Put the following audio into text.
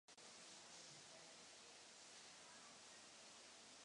Kromě podnikatelské špičky českého národa sem přijeli také přeživší z koncentračních táborů.